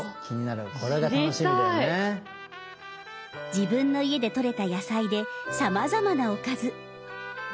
自分の家でとれた野菜でさまざまなおかず。